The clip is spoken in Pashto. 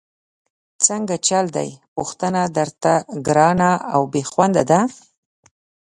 څنګه چل دی، پوښتنه درته ګرانه او بېخونده ده؟!